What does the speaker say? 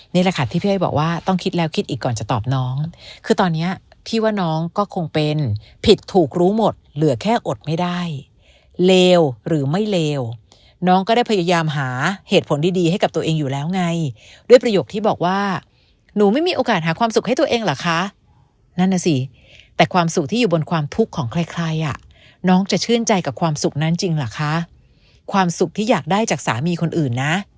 นี่แหละค่ะที่พี่อ้อยบอกว่าต้องคิดแล้วคิดอีกก่อนจะตอบน้องคือตอนนี้พี่ว่าน้องก็คงเป็นผิดถูกรู้หมดเหลือแค่อดไม่ได้เลวหรือไม่เลวน้องก็ได้พยายามหาเหตุผลดีให้กับตัวเองอยู่แล้วไงด้วยประโยคที่บอกว่าหนูไม่มีโอกาสหาความสุขให้ตัวเองหรอคะนั่นนะสิแต่ความสุขที่อยู่บนความทุกข์ของใครน้องจะชื่